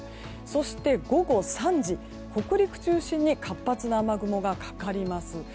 そして、午後３時北陸中心に活発な雨雲がかかります。